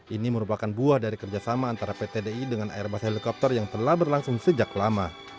ini merupakan buah dari kerjasama antara pt di dengan airbus helikopter yang telah berlangsung sejak lama